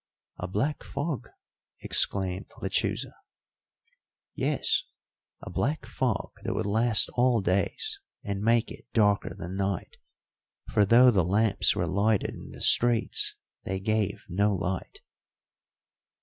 "A black fog!" exclaimed Lechuza. "Yes, a black fog that would last all days and make it darker than night, for though the lamps were lighted in the streets they gave no light."